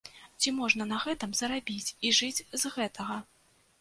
Ці можна на гэтым зарабіць і жыць з гэтага?